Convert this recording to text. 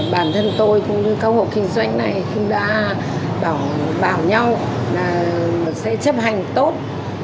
bản thân tôi cũng như câu hộ kinh doanh này cũng đã bảo nhau là sẽ chấp hành tốt